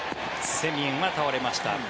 セミエンは倒れました。